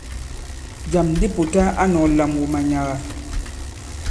Jàm di Pùta a nɔ̄k lam wu manyaga.